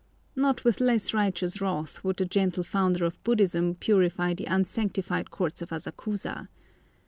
Not with less righteous wrath would the gentle founder of Buddhism purify the unsanctified courts of Asakusa.